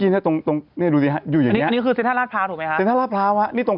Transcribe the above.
ตรงเมื่อกี้